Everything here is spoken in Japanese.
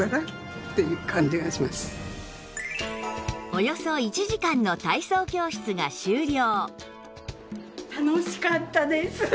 およそ１時間の体操教室が終了